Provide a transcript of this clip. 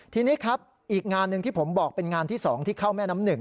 ทีนี้ครับอีกงานหนึ่งที่ผมบอกเป็นงานที่๒ที่เข้าแม่น้ำหนึ่ง